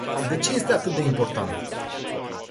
De ce este atât de important?